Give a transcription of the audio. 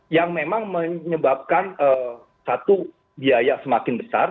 yang memang menyebabkan satu biaya semakin besar